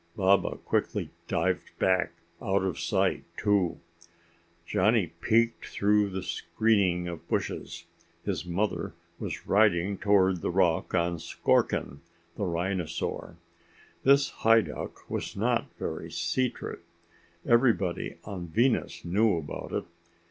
Baba quickly dived back out of sight too. Johnny peeked through the screening of bushes. His mother was riding toward the rock on Skorkin, the rhinosaur! This hideout was not very secret. Everybody on Venus knew about it.